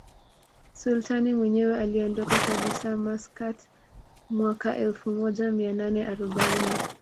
Sultani mwenyewe aliondoka kabisa Maskat mwaka elfu moja mia nane arobaini